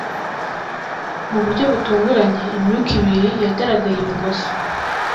Mu buryo butunguranye imyuka ibiri yagaragaye ibumoso